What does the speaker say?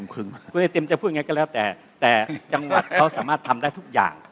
คุณไอติมจะพูดอย่างนี้ก็แล้วแต่แต่จังหวัดเขาสามารถทำได้ทุกอย่าง